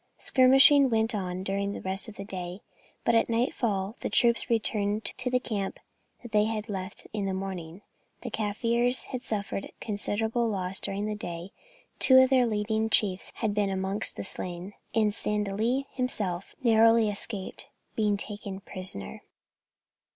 Skirmishing went on during the rest of the day, but at nightfall the troops returned to the camp that they had left in the morning. The Kaffirs had suffered considerable loss during the day, two of their leading chiefs being amongst the slain, and Sandilli himself narrowly escaped being taken prisoner.